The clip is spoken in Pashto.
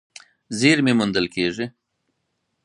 زېرمې موندل کېږي.